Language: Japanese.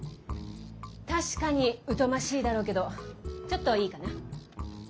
確かに疎ましいだろうけどちょっといいかな。